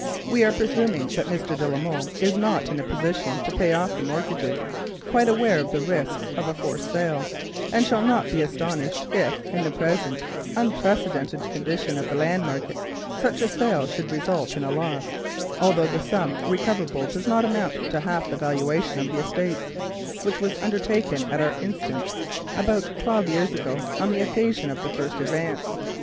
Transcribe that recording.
We are, presuming that Mr. de la Molle is not in a position to pay off the mortgages, quite aware of the risks of a forced sale, and shall not be astonished if, in the present unprecedented condition of the land market, such a sale should result in a loss, although the sum recoverable does not amount to half the valuation of the estates, which was undertaken at our instance about twenty years ago on the occasion of the first advance.